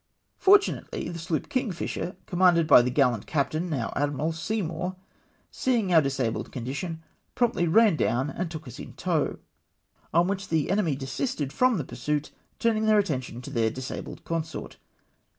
Fortunately the sloop Kingfisher., commanded by the gallant Captain, now Admiral, Seymour, seeing our dis abled condition, promptly ran down and took us m tow *; on which the enemy desisted from the pursuit, turning their attention to thek disabled consort.